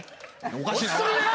おかしいな。